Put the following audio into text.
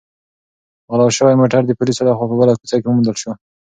غلا شوی موټر د پولیسو لخوا په بله کوڅه کې وموندل شو.